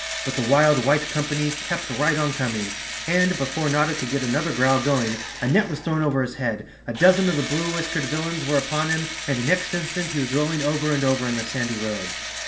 But the wild white company kept right on com¬ ing and, before Notta could get another growl going, a net was thrown over his head, a dozen of the blue whiskered villains were upon him and next instant he was rolling over and over in the sandy road.